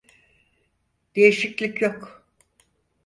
Değişiklik yok.